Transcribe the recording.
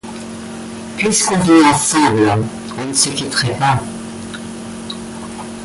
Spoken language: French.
Puisqu’on vit ensemble, on ne se quitterait pas…